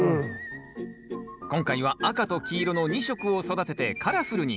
今回は赤と黄色の２色を育ててカラフルに。